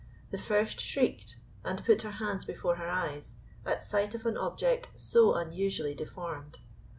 The first shrieked, and put her hands before her eyes, at sight of an object so unusually deformed.